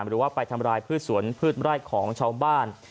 หรือว่าไปทำลายพืชสวนพืชไร่ของชาวบ้าน